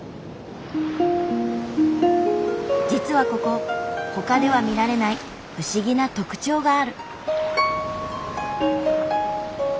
実はここ他では見られない不思議な特徴がある。